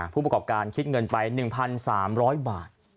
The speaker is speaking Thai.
ผู้ประกอบการคิดเงินไป๑๓๐๐บาท